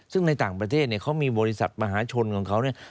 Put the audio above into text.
ซึ่งในต่างประเทศเนี่ยเขามีบริษัทมหาชนของเขาเนี่ย